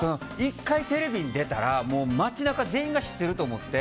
１回テレビに出たら街中、全員が知ってると思って。